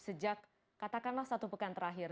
sejak katakanlah satu pekan terakhir